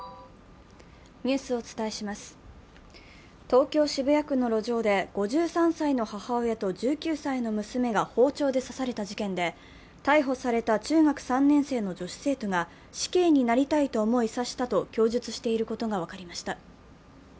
東京・渋谷区の路上で５３歳の母親と１９歳の娘が包丁で刺された事件で、逮捕された中学３年生の女子生徒が死刑になりたいと思い刺したと供述していることが分かりました。